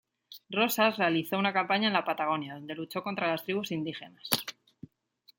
Rosas realizó una campaña en la Patagonia, donde luchó contra las tribus indígenas.